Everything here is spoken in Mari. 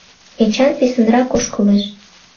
Эчан писынрак ошкылеш.